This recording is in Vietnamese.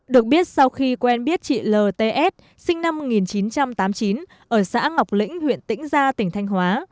được biết sau khi quen biết chị lts sinh năm một nghìn chín trăm tám mươi chín ở xã ngọc lĩnh huyện tĩnh gia tỉnh thanh hóa